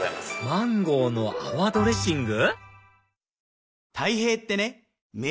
マンゴーの泡ドレッシング？